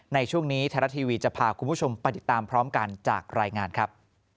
ในช่วงนี้ไทยรัฐทีวีจะพาคุณผู้ชมไปติดตามพร้อมกันจากรายงานครับ